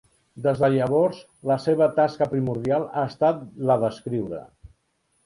Des de llavors la seva tasca primordial ha estat la d'escriure.